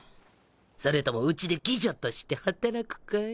それともうちで妓女として働くかい？